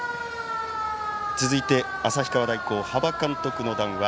続いて、旭川大高端場監督の談話。